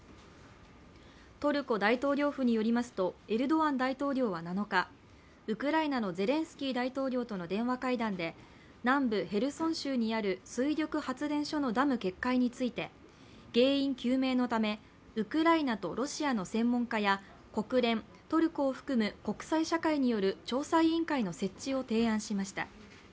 トルコ大統領府によりますと、エルドアン大統領は７日、ウクライナのゼレンスキー大統領との電話会談で南部ヘルソン州にある水力発電所のダム決壊について原因究明のためウクライナとロシアの専門家や国連、トルコを含む国際社会による調査委員会の設置を提案しました。